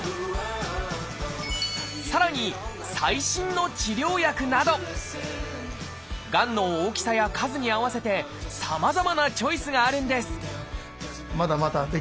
さらに最新の治療薬などがんの大きさや数に合わせてさまざまなチョイスがあるんです